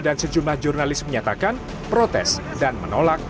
dan sejumlah jurnalis menyatakan protes dan menolak